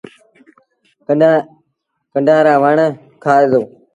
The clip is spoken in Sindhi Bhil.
ڪنڊآن وآرآ وڻ کآئي دو۔